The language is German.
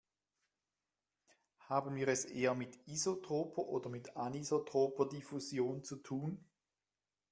Haben wir es eher mit isotroper oder mit anisotroper Diffusion zu tun?